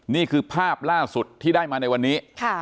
นี่คือภาพล่าสุดที่ได้มาในวันนี้